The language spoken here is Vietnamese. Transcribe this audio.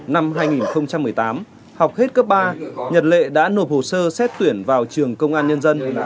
năm hai nghìn một mươi tám học hết cấp ba nhật lệ đã nộp hồ sơ xét tuyển vào trường công an nhân dân